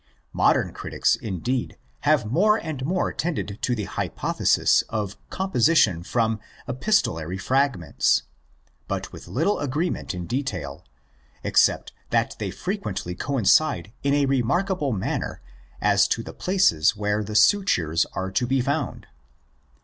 Modern critics, indeed, have more and more tended to the hypothesis of composition from (epistolary) fragments; but with little agreement in detail, except that they frequently coincide in a remarkable manner as to the places where the sutures are to be found.